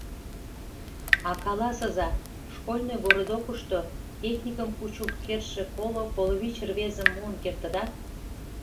А каласыза, школьный городокышто техникым кучылт кертше коло-коло вич рвезым муын кертыда?